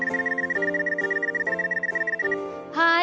はい！